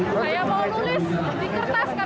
uh daftar saya mau nulis di kertas katanya